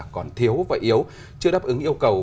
quậy yếu chưa đáp ứng yêu cầu